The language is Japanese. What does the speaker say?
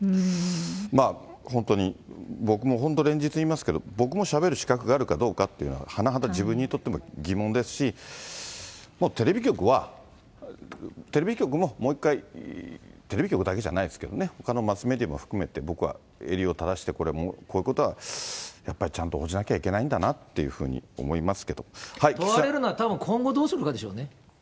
本当に、僕も本当、連日言いますけども、僕もしゃべる資格があるかどうかっていうのは、甚だ自分にとっても疑問ですし、テレビ局は、テレビ局も、もう１回、テレビ局だけじゃないですけどね、ほかのマスメディアも含めて、僕は襟を正して、こういうことはやっぱりちゃんと報じなきゃいけないんだなという問われるのは、今後どうするかでしょうね。